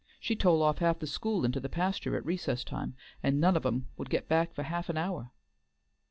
She'd toll off half the school into the pasture at recess time, and none of 'em would get back for half an hour."